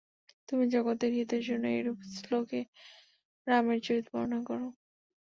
তুমি জগতের হিতের জন্য এইরূপ শ্লোকে রামের চরিত বর্ণনা কর।